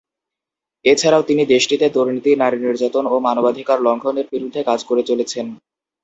এছাড়াও তিনি দেশটিতে দুর্নীতি, নারী নির্যাতন ও মানবাধিকার লঙ্ঘনের বিরুদ্ধে কাজ করে চলেছেন।